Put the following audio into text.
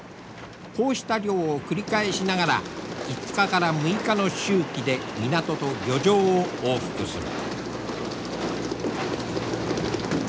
こうした漁を繰り返しながら５日から６日の周期で港と漁場を往復する。